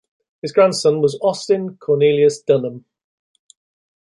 His grandson was Austin Cornelius Dunham.